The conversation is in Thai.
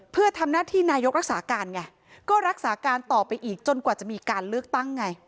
เพื่อทำหน้าที่นายกรักษาการไงก็รักษาการต่อไปอีกจนกว่าจะมีการเลือกตั้งไง